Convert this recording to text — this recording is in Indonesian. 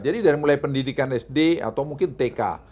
jadi dari mulai pendidikan sd atau mungkin tk